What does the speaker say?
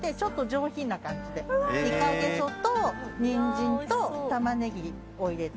イカゲソとにんじんと玉ねぎを入れて。